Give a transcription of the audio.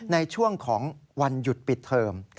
ในช่วงของวันหยุดปิดเทอม